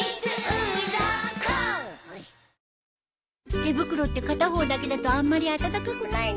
手袋って片方だけだとあんまり暖かくないね